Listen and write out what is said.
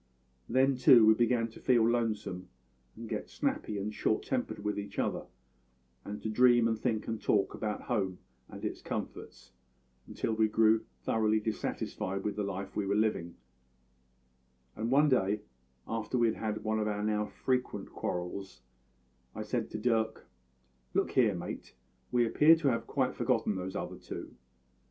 Then, too, we began to feel lonesome, and to get snappy and short tempered with each other; to dream and think and talk about home and its comforts, until we grew thoroughly dissatisfied with the life we were living; and one day, after we had had one of our now frequent quarrels, I said to Dirk: "`Look here, mate, we appear to have quite forgotten those other two.